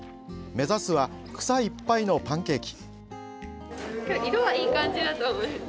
目指すは草いっぱいのパンケーキ。